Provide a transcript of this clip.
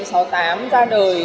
và quyết định sáu mươi tám ra đời